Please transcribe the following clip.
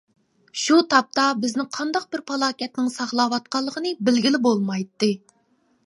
شۇ تاپتا بىزنى قانداق بىر پالاكەتنىڭ ساقلاۋاتقانلىقىنى بىلگىلى بولمايتتى.